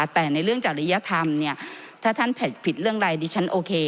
แต่ในเรื่องจริยธรรมเนี่ยถ้าท่านผิดเรื่องอะไรดิฉันโอเค